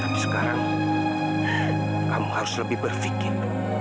tapi sekarang kamu harus lebih berpikir